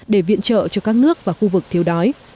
để viện trợ cho các nước và khu vực thiếu đói